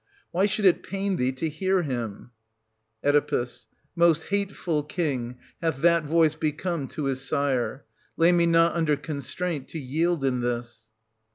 Why should it pain thee to hear him? Oe. Most hateful, king, hath that voice become to his sire :— lay me not under constraint to yield in this.